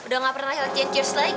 udah gak pernah latihan chears lagi